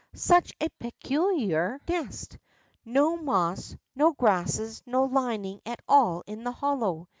Such a peculiar nest ! ^^o moss, no grasses, no lining at all in the hollow.